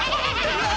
・うわ！